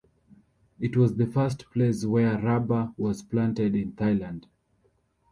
It was the first place where rubber was planted in Thailand.